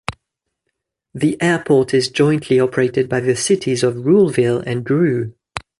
The airport is jointly operated by the cities of Ruleville and Drew.